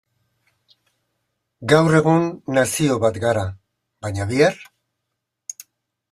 Gaur egun nazio bat gara, baina bihar?